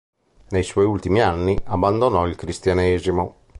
Nei suoi ultimi anni, abbandonò il cristianesimo.